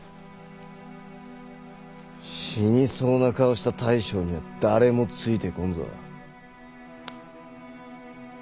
死にそうな顔した大将には誰もついてこんぞ。